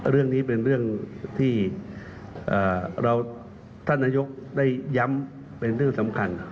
เรื่องนี้เป็นเรื่องที่ท่านนายกได้ย้ำเป็นเรื่องสำคัญ